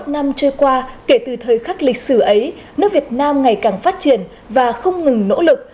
bảy mươi năm năm trôi qua kể từ thời khắc lịch sử ấy nước việt nam ngày càng phát triển và không ngừng nỗ lực